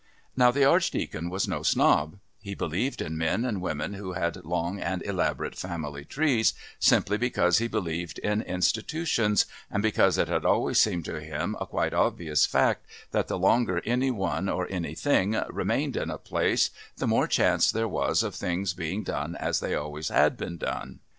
Now the Archdeacon was no snob; he believed in men and women who had long and elaborate family trees simply because he believed in institutions and because it had always seemed to him a quite obvious fact that the longer any one or anything remained in a place the more chance there was of things being done as they always had been done.